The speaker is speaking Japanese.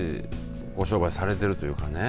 ご商売されているというかね。